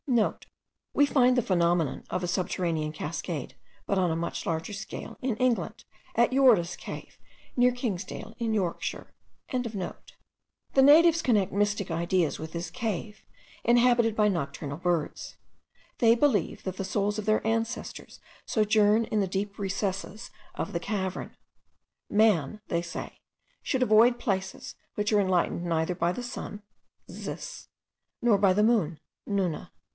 *(* We find the phenomenon of a subterranean cascade, but on a much larger scale, in England, at Yordas Cave, near Kingsdale in Yorkshire.) The natives connect mystic ideas with this cave, inhabited by nocturnal birds; they believe that the souls of their ancestors sojourn in the deep recesses of the cavern. "Man," say they, "should avoid places which are enlightened neither by the sun (zis), nor by the moon (nuna)."